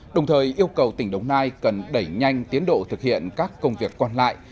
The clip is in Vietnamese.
đồng thời yêu cầu tỉnh đồng nai cần đẩy nhanh tiến độ thực hiện các công việc còn lại